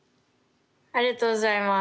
ありがとうございます。